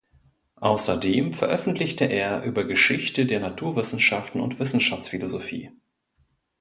Außerdem veröffentlichte er über Geschichte der Naturwissenschaften und Wissenschaftsphilosophie.